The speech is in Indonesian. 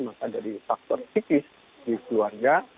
maka dari faktor psikis di keluarga